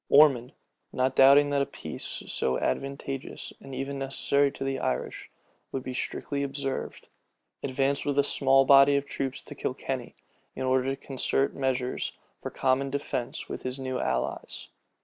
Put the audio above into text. Ormond, not doubting but a peace, so advantageous and even necessary to the Irish, would be strictly observed, advanced with a small body of troops to Kilkenny, in order to concert measures for common defence with his new allies.